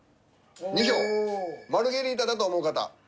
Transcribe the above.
マルゲリータだと思う方。